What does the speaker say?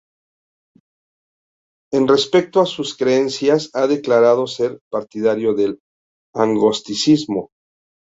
En respecto a sus creencias ha declarado ser partidario del Agnosticismo.